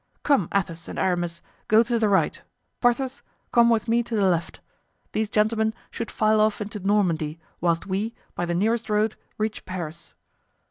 Come, Athos and Aramis, go to the right; Porthos, come with me to the left; these gentlemen should file off into Normandy, whilst we, by the nearest road, reach Paris."